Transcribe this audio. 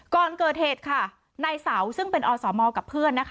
ก่อนเกิดเหตุค่ะนายเสาซึ่งเป็นอสมกับเพื่อนนะคะ